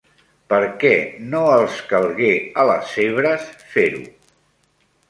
Per què no els calgué a les zebres fer-ho?